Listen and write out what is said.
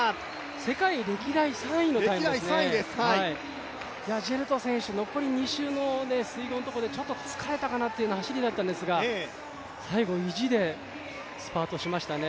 世界歴代３位のタイムですねジェルト選手残り２周の水濠のところでちょっと疲れたかなっていう走りだったんですが、最後、維持でスパートしましたね。